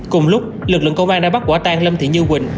cùng lúc lực lượng công an đã bắt quả tang lâm thị như quỳnh